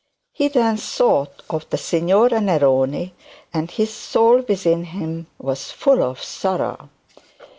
He then thought of the Signora Neroni, and his soul within him was full of sorrow.